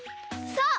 そう！